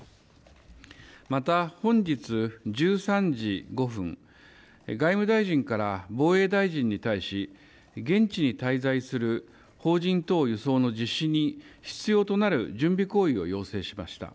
また本日１３時５分、外務大臣から防衛大臣に対し現地に滞在する邦人等輸送の実施に必要となる準備行為を要請しました。